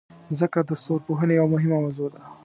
مځکه د ستورپوهنې یوه مهمه موضوع ده.